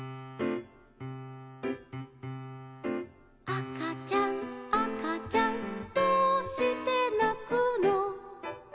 「あかちゃんあかちゃんどうしてなくの」